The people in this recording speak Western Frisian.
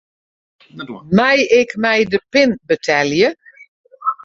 Mei ik mei de pin betelje?